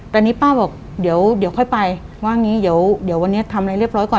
ตอนนี้ป้าบอกเดี๋ยวค่อยไปว่างี้เดี๋ยววันนี้ทำอะไรเรียบร้อยก่อน